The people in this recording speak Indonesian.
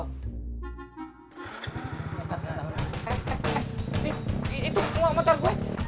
eh eh eh itu uang motor gue